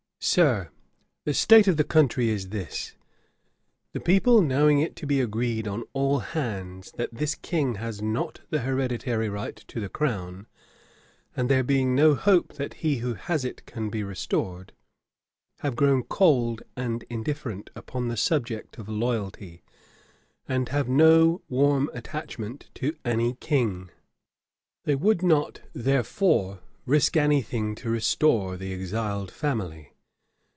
'Sir, the state of the country is this: the people knowing it to be agreed on all hands that this King has not the hereditary right to the crown, and there being no hope that he who has it can be restored, have grown cold and indifferent upon the subject of loyalty, and have no warm attachment to any King. They would not, therefore, risk any thing to restore the exiled family.